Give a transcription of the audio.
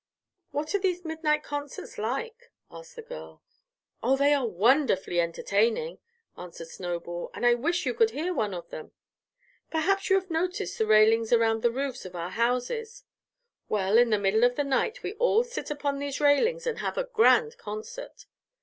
"What are these midnight concerts like?" asked the girl. "Oh, they are wonderfully entertaining," answered Snowball, "and I wish you could hear one of them. Perhaps you have noticed the railings around the roofs of our houses. Well, in the middle of the night we all sit upon these railings and have a grand concert.